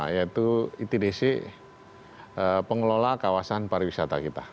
yaitu itdc pengelola kawasan pariwisata kita